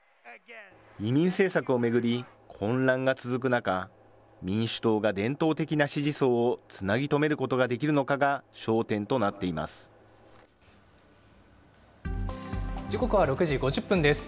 移民政策を巡り、混乱が続く中、民主党が伝統的な支持層をつなぎとめることができるのかが焦点と時刻は６時５０分です。